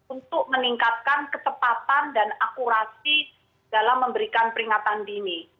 untuk meningkatkan kecepatan dan akurasi dalam memberikan peringatan dini